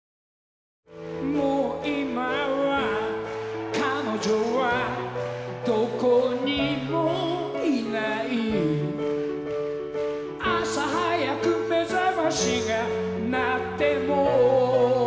「もう今は彼女はどこにもいない」「朝はやく目覚ましがなっても」